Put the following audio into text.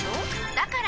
だから！